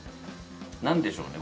何でしょうね。